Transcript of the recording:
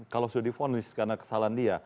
kalau sudah di vonis karena kesalahan dia